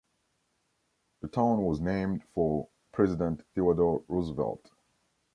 The town was named for President Theodore Roosevelt.